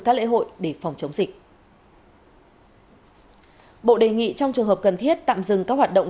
các lễ hội để phòng chống dịch bộ đề nghị trong trường hợp cần thiết tạm dừng các hoạt động